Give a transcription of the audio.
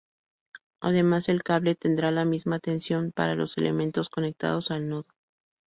Además, el cable tendrá la misma tensión para los elementos conectados al nodo.